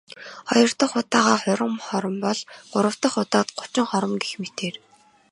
Хоёр дахь удаагаа хорин хором бол.. Гурав дахь удаад гучин хором гэх мэтээр.